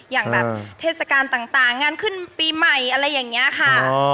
อย่างแบบเทศกาลต่างงานขึ้นปีใหม่อะไรอย่างนี้ค่ะ